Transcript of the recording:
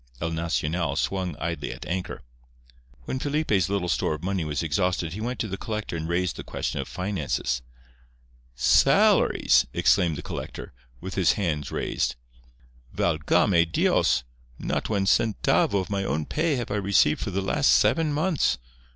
El Nacional swung idly at anchor. When Felipe's little store of money was exhausted he went to the collector and raised the question of finances. "Salaries!" exclaimed the collector, with hands raised; "Valgame Dios! not one centavo of my own pay have I received for the last seven months.